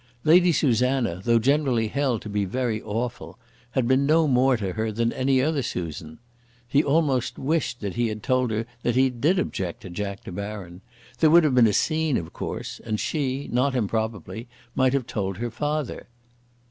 Lady Susanna, though generally held to be very awful, had been no more to her than any other Susan. He almost wished that he had told her that he did object to Jack De Baron. There would have been a scene, of course; and she, not improbably, might have told her father.